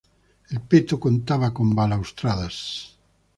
El peto contaba con balaustradas